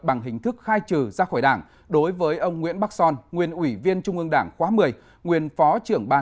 bằng hình thức khai trừ ra khỏi đảng đối với ông nguyễn bắc son nguyên ủy viên trung ương đảng khóa một mươi